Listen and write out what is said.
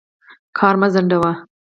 کار مه ځنډوه.